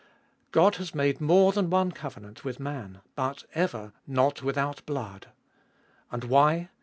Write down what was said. God has made more than one covenant with man, but ever, not without blood ! And why